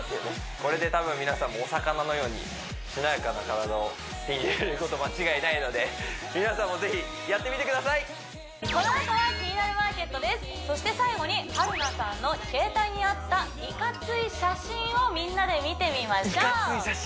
これで多分皆さんもお魚のようにしなやかな体を手に入れること間違いないので皆さんもぜひやってみてくださいそして最後に春菜さんの携帯にあったイカツイ写真をみんなで見てみましょうイカツイ写真！？